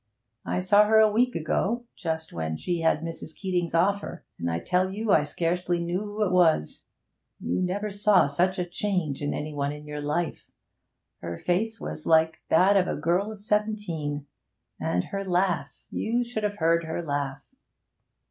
I saw her a week ago, just when she had Mrs. Keeting's offer, and I tell you I scarcely knew who it was! You never saw such a change in any one in your life! Her face was like that of a girl of seventeen. And her laugh you should have heard her laugh!'